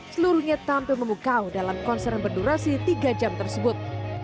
seluruhnya tampil memukau dalam konser yang berdurasi tiga jam tersebut